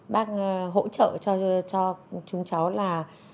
bác hỗ trợ cho chúng cháu là